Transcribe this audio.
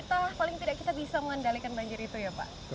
atau paling tidak kita bisa mengendalikan banjir itu ya pak